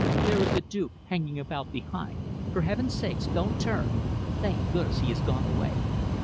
There is the Duke hanging about behind. For heaven's sake, don't turn. Thank goodness he has gone away!